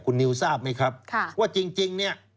คุณนิวทราบไหมครับว่าจริงเนี่ย